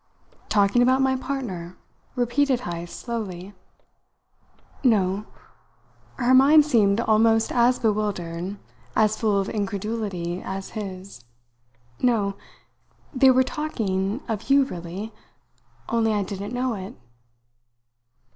"Talking about my partner?" repeated Heyst slowly. "No." Her mind seemed almost as bewildered, as full of incredulity, as his. "No. They were talking of you really; only I didn't know it."